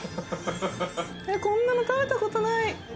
こんなの食べたことない。